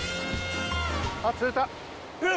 あっ釣れた！